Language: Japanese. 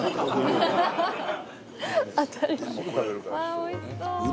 うわおいしそう。